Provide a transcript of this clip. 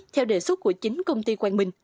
theo đề xuất của chính công ty quang minh